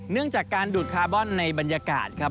เนื่องจากการดูดคาร์บอนในบรรยากาศครับ